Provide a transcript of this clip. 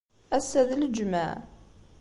Assa d lǧemɛa.